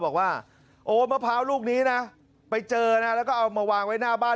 บอกว่าโอ้มะพร้าวลูกนี้นะไปเจอนะแล้วก็เอามาวางไว้หน้าบ้าน